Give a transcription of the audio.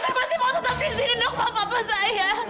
saya pasti mau tetap di sini dok sama papa saya